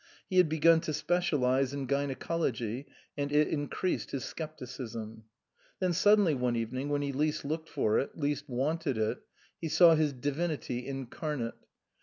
He had begun to specialize in gynaecology and it increased his scepticism. Then suddenly, one evening, when he least looked for it, least wanted it, he saw his divinity incarnate.